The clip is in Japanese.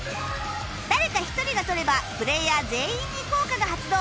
誰か一人が取ればプレーヤー全員に効果が発動